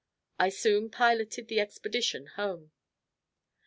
I soon piloted the expedition home.